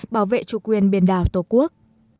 bảo vệ chủ quyền biển đảo tổ quốc